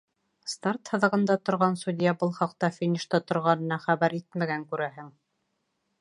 Старт һыҙығында торған судья был хаҡта финишта торғанына хәбәр итмәгән, күрәһең.